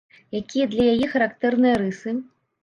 Якія для яе характэрныя рысы?